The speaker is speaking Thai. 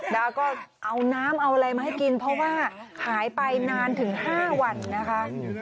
ดาวก็เอาน้ำเอาอะไรมาให้กินเพราะว่าหายไปนานถึง๕วันนะคะ